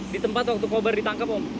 di tempat waktu kobar ditangkap om